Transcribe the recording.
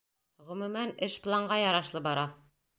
Ғөмүмән, эш планға ярашлы бара.